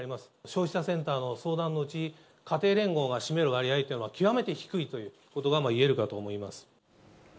消費者センターの相談のうち、家庭連合が占める割合というのが、極めて低いということがいえるかと思います。